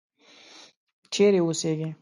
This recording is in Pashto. چیرې اوسیږې.